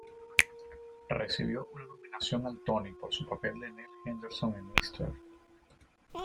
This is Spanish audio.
Recibió una nominación al Tony por su papel de Nell Henderson en "Mr.